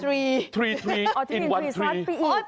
ทรีอินวันทรีทรีอินวันทรีทรีทรี